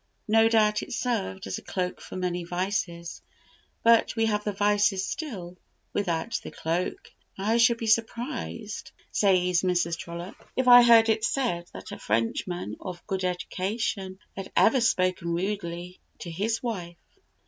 No doubt it served as a cloak for many vices, but we have the vices still, without the cloak! "I should be surprised," says Mrs. Trollope, "if I heard it said that a Frenchman of good education had ever spoken rudely to his wife!"